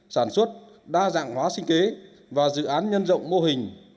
sản xuất đa dạng hóa sinh kế và dự án nhân rộng mô hình